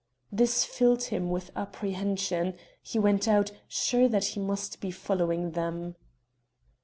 This filled him with apprehension he went out, sure that he must be following them.